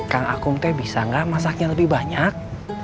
kang akum teh bisa gak masaknya lebih banyak